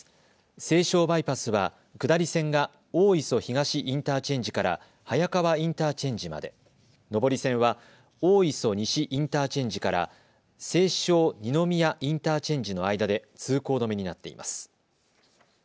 西湘バイパスは下り線が大磯東インターチェンジから早川インターチェンジまで、上り線は大磯西インターチェンジから西湘二宮インターチェンジの間で通行止めになっています。